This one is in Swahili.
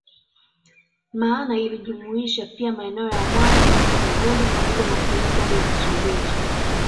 Maana ilijumlisha pia maeneo ya Rwanda na Burundi pamoja na sehemu ndogo ya Msumbiji